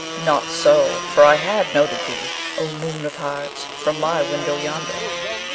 Not so, for I had noted thee, O moon of hearts, from my window yonder.'